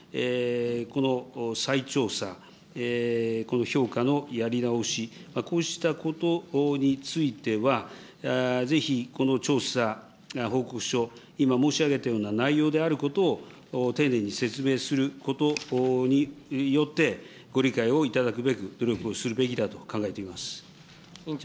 この再調査、この評価のやり直し、こうしたことについては、ぜひ、この調査報告書、今申し上げたような内容であることを丁寧に説明することによって、ご理解を頂くべく、努力をすべきだと考えております。